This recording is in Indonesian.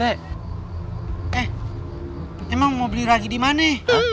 eh emang mau beli lagi di mana